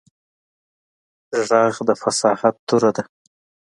غږ د فصاحت توره ده